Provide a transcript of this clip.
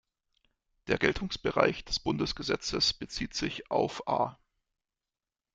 Der Geltungsbereich des Bundesgesetzes bezieht sich auf „a.